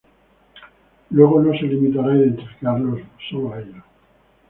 Luego no se limitará a identificarlos sólo a ellos.